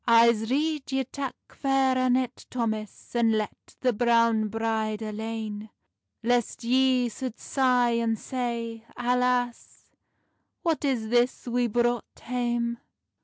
"I'se rede ye tak Fair Annet, Thomas, And let the browne bride alane; Lest ye sould sigh, and say, Alace, What is this we brought hame!"